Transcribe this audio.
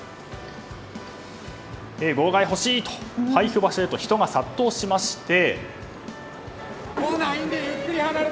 号外欲しいと配布場所へと人が殺到しまして。